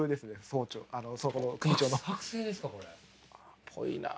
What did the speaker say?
っぽいな。